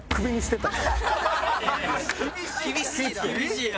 厳しいな。